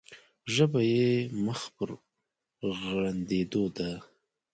ژبه یې مخ پر غړندېدو ده.